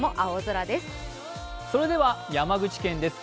それでは山口県です。